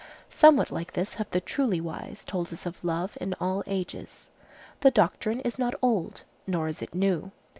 Somewhat like this have the truly wise told us of love in all ages. The doctrine is not old, nor is it new.